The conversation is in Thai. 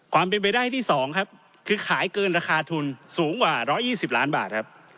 ความเป็นไปได้ที่๒ครับคือขายเกินราคาทุนสูงกว่า๑๒๐ล้านบาทครับ